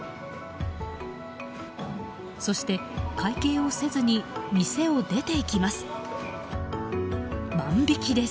そして会計をせずに店を出て行きます。